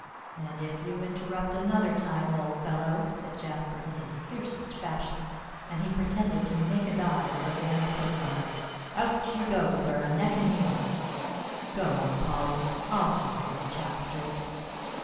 "And if you interrupt another time, old fellow," said Jasper in his fiercest fashion, and he pretended to make a dive for Van's coat collar, "out you go, sir, neck and heels. Go on, Polly; I'll keep this chap straight."